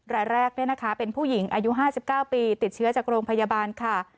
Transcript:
รายแรกเป็นผู้หญิงอายุ๕๙ปีติดเชื้อจากโรงพยาบาลค่ะ